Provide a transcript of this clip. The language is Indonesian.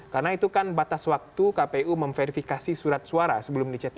karena itu kan batas waktu kpu memverifikasi surat suara sebelum dicetak